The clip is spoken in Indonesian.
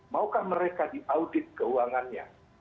maukah mereka diaudit keuangannya